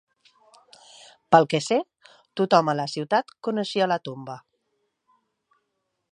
Pel que sé, tothom a la ciutat coneixia la tomba.